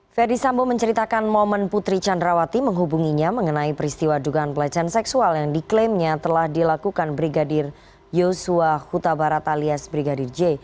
ferdisambo menceritakan momen putri candrawati menghubunginya mengenai peristiwa dugaan pelecehan seksual yang diklaimnya telah dilakukan brigadir yosua huta barat alias brigadir j